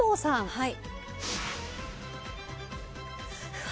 はい。